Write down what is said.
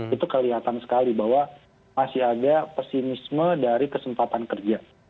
itu kelihatan sekali bahwa masih ada pesimisme dari kesempatan kerja